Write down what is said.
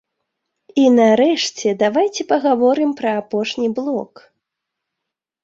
І нарэшце давайце пагаворым пра апошні блок.